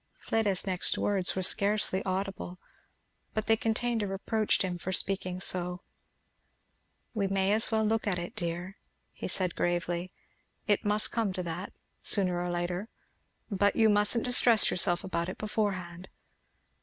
Pleda's next words were scarcely audible, but they contained a reproach to him for speaking so. "We may as well look at it, dear," said he gravely; "it must come to that sooner or later but you mustn't distress yourself about it beforehand.